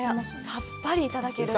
さっぱりいただけますね。